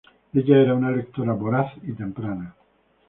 Ella era una lectora voraz y temprana.